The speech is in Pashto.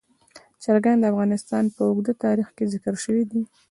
چرګان د افغانستان په اوږده تاریخ کې ذکر شوی دی.